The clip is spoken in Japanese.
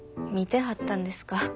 見てはったんですか。